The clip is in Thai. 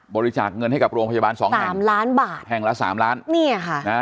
บริจาคเงินให้กับโรงพจาบาน๒แห่ง๓ล้านบาท